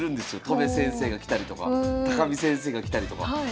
戸辺先生が来たりとか見先生が来たりとか。